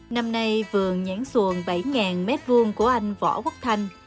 năm nay vườn nhãn xuồng bảy m hai của anh võ quốc thanh